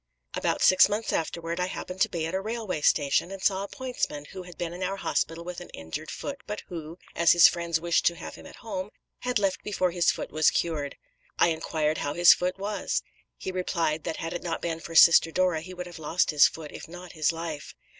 "About six months afterward I happened to be at a railway station, and saw a pointsman who had been in our hospital with an injured foot, but who, as his friends wished to have him at home, had left before his foot was cured. I inquired how his foot was. He replied that had it not been for Sister Dora he would have lost his foot, if not his life.